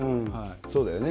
そうだよね。